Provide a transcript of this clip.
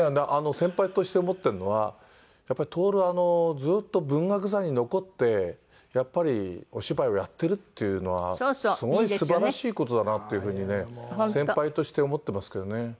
先輩として思ってるのはやっぱり徹ずっと文学座に残ってやっぱりお芝居をやってるっていうのはすごい素晴らしい事だなっていう風にね先輩として思ってますけどね。